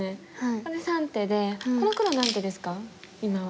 これで３手でこの黒何手ですか今は。